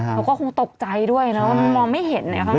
เขาก็คงตกใจด้วยแล้วก็มองไม่เห็น